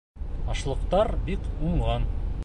Ашлыҡтар бик уңған.